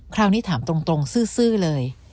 คราวนี้ถามตรงซื่อเลย